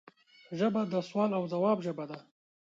ژبه د سوال او ځواب ژبه ده